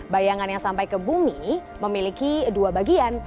bayangan yang sampai ke bumi memiliki dua bagian